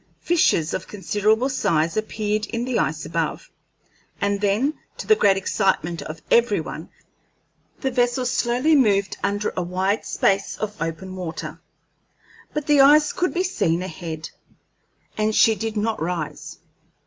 Fissures of considerable size appeared in the ice above, and then, to the great excitement of every one, the vessel slowly moved under a wide space of open water; but the ice could be seen ahead, and she did not rise.